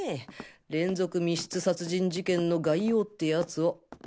連続密室殺人事件の概要ってやつを。